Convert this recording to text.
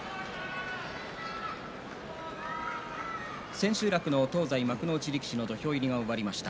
千秋楽の東西幕内力士の土俵入りが終わりました。